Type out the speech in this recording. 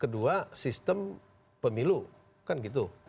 kedua sistem pemilu kan gitu